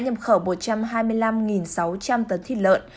nhập khẩu một trăm hai mươi năm sáu trăm linh tấn thịt lợn